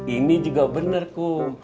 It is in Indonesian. ini juga bener kum